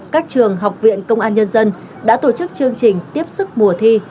các trường học viện công an nhân dân đã tổ chức chương trình tiếp sức mùa thi